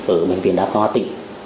ở bệnh viện đa phá tỉ